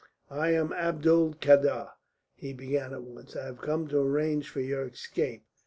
"I am Abdul Kader," he began at once. "I have come to arrange for your escape.